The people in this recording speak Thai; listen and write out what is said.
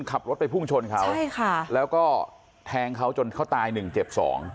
ขับรถไปพุ่งชนเขาใช่ค่ะแล้วก็แทงเขาจนเขาตายหนึ่งเจ็บสอง